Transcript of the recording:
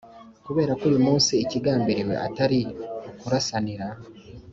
kubera ko uyu munsi ikigambiriwe atari ukurasanira